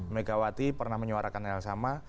megawati pernah menyuarakan hal sama